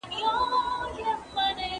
په دا تش دیدن به ولي خپل زړګی خوشالومه